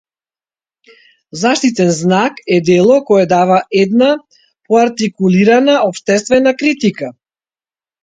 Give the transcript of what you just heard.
Заштитен знак е дело кое дава една поартикулирана општествена критика.